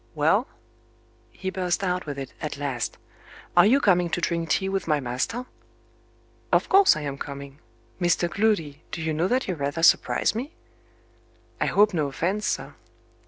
"Well?" He burst out with it, at last. "Are you coming to drink tea with my master?" "Of course, I am coming! Mr. Gloody, do you know that you rather surprise me?" "I hope no offence, sir."